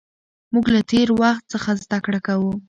موږ له تېر وخت څخه زده کړه کوو.